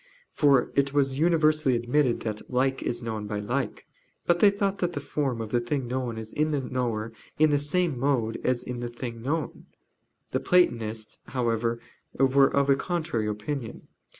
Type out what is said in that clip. For it was universally admitted that "like is known by like." But they thought that the form of the thing known is in the knower in the same mode as in the thing known. The Platonists however were of a contrary opinion.